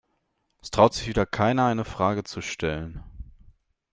Es traut sich wieder keiner, eine Frage zu stellen.